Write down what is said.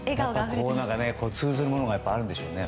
通ずるものがあるんでしょうね